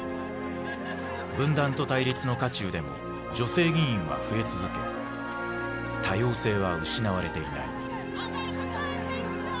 分断と対立の渦中でも女性議員は増え続け多様性は失われていない。